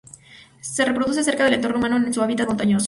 Se reproduce cerca del entorno humano en un hábitat montañoso.